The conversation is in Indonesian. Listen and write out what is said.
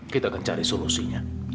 kita akan cari solusinya